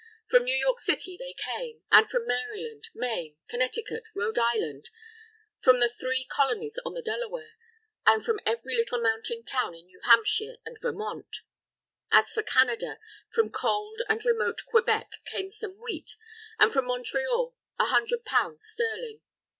From New York they came, and from Maryland, Maine, Connecticut, Rhode Island, from the three counties on the Delaware, and from every little mountain town in New Hampshire and Vermont. As for Canada, from cold and remote Quebec came some wheat, and from Montreal a hundred pounds sterling.